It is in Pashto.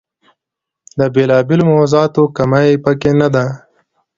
د بېلا بېلو موضوعاتو کمۍ په کې نه ده.